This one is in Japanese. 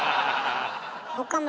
岡村